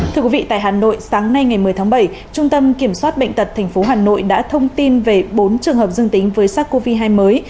thưa quý vị tại hà nội sáng nay ngày một mươi tháng bảy trung tâm kiểm soát bệnh tật tp hà nội đã thông tin về bốn trường hợp dương tính với sars cov hai mới